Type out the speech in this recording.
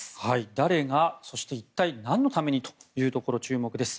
誰が、そして一体なんのためにというところ注目です。